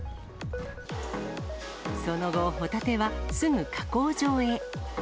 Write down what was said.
その後、ホタテはすぐ加工場へ。